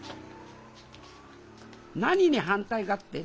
何に反対かって？